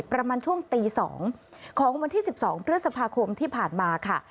ประมาณช่วงตี๒ของวันที่๑๒พฤษภาคมที่ผ่านมาค่ะ